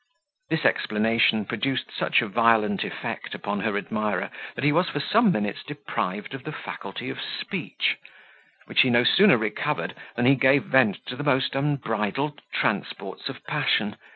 This explanation produced such a violent effect upon her admirer, that he was for some minutes deprived of the faculty of speech; which he no sooner recovered, than he gave vent to the most unbridled transports of passion.